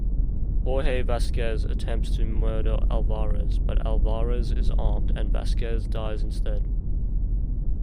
Jorge Vasquez attempts to murder Alvarez, but Alvarez is armed and Vasquez dies instead.